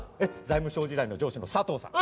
財務省時代の上司の佐藤さん。